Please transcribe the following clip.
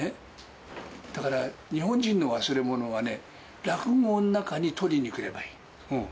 だから、日本人の忘れ物はね、落語の中に取りにくればいい。